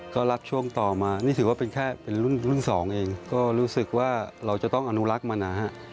ก็รับช่วงต่อมานี่ถือว่าเป็นแค่เป็นรุ่นสองเองก็รู้สึกว่าเราจะต้องอนุรักษ์มานะฮะ